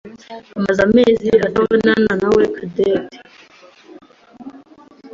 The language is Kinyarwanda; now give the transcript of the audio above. amaze amezi atabonawe Cadette.